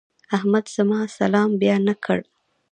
احمد زما سلام بيا نه کړ.